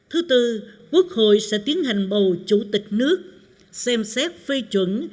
thứ tư quốc hội sẽ tiến hành bầu chủ tịch nước xem xét phê chuẩn